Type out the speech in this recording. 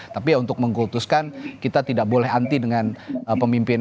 tapi untuk mengkultuskan kita tidak boleh anti dengan pemimpin